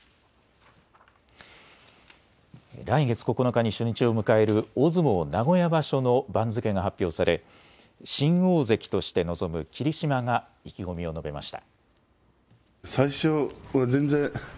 来月９日に初日を迎える大相撲名古屋場所の番付が発表され新大関として臨む霧島が意気込みを述べました。